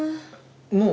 もう？